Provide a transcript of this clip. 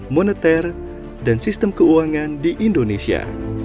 moneter dan sistem keuangan di indonesia